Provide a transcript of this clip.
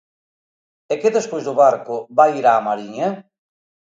¿É que despois do Barco vai ir A Mariña?